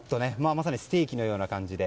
まさにステーキのような感じで。